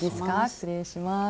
失礼します。